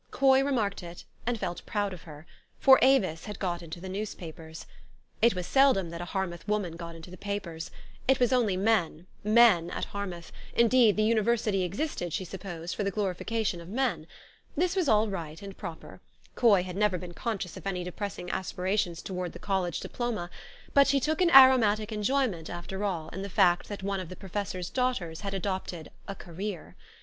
Coy remarked it, and felt proud of her ; for Avis had got into the newspapers. It was seldom that a Harmouth woman got into the papers. It was only men men at Harmouth : indeed, the Univer sity existed, she supposed, for the glorification of men. This was all right and proper. Coy had never been conscious of any depressing aspirations towards the college diploma ; but she took an aromatic en jo}Tnent, after all, in the fact that one of the pro fessor's daughters had adopted " a career."